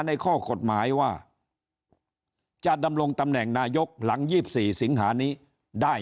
ในข้อกฎหมายว่าจะดำรงตำแหน่งนายกหลัง๒๔สิงหานี้ได้